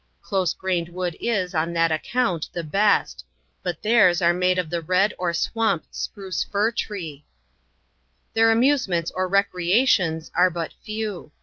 Close grained wood is, on that account, the best; but theirs are made of the red or swamp spruce fir tree Their amusements or recreations are but few.